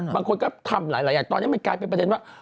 บางคนก็ทำหลายอย่างตอนนี้มันกลายเป็นประเด็นว่า